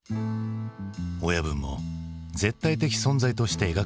親分も絶対的存在として描かれない。